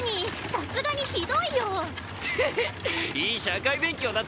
さすがにひどいよヘヘッいい社会勉強だ